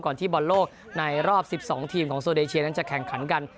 ที่บอลโลกในรอบ๑๒ทีมของโซนเอเชียนั้นจะแข่งขันกัน